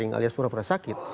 alias pura pura sakit